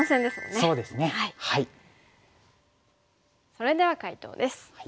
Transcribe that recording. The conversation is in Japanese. それでは解答です。